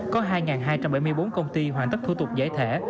có hai hai trăm bảy mươi bốn công ty hoàn tất thủ tục giải thể